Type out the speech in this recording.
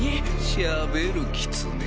しゃべるキツネ？